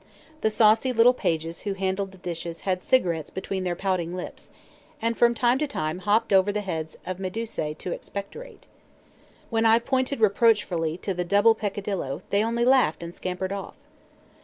The saucy little pages who handled the dishes had cigarettes between their pouting lips, and from time to time hopped over the heads of Medusæ to expectorate. When I pointed reproachfully to the double peccadillo, they only laughed and scampered off.